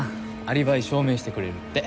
アリバイ証明してくれるって。